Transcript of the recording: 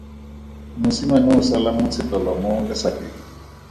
Mosimane o sela motshotelo mo lesakeng.